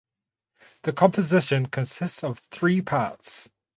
The composition consists of three parts.